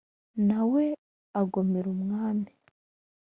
na we agomera umwami